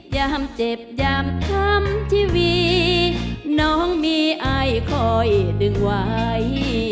ยามเจ็บยามทำทีวีน้องมีอายคอยดึงไว้